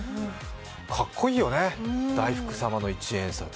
かっこいいよね、大福様の一円札。